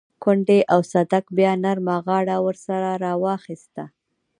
کونډې او صدک بيا نرمه غاړه ورسره راواخيسته.